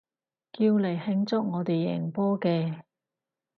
叫嚟慶祝我哋贏波嘅